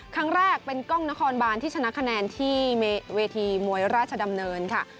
ครั้งแรกเป็นกล้องนครบานที่ชนะคะแนนที่เวทีมวยราชดำเนินค่ะ